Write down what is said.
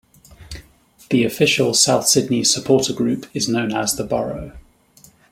The official South Sydney supporter group is known as The Burrow.